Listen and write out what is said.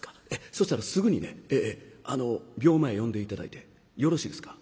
そしたらすぐにねあの病間へ呼んで頂いてよろしいですか。